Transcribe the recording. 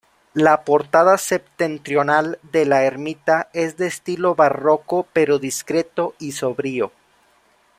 La portada septentrional de la ermita es de estilo barroco, pero discreto y sobrio.